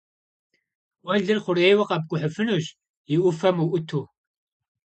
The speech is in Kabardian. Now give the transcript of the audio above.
Guelır xhurêyue khepk'uhıfınuş, yi 'Ufem vu'utu.